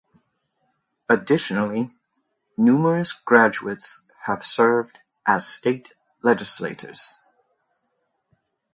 Additionally, numerous graduates have served as state legislators.